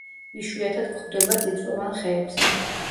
იშვიათად გვხვდება წიწვოვან ხეებზე.